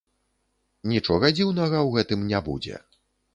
Нічога дзіўнага ў гэтым не будзе.